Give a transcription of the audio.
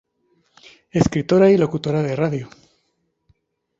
Escritora y locutora de radio.